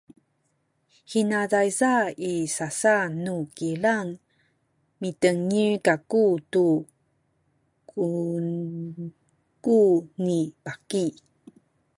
hina tayza i sasa nu kilang mitengil kaku tu kungku ni baki